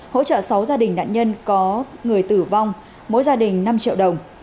hỗ trợ sáu gia đình nạn nhân có người tử vong mỗi gia đình năm triệu đồng